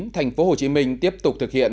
thành phố hồ chí minh tiếp tục thực hiện